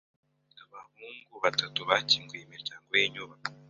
Abahungu batatu bakinguye imiryango yinyubako.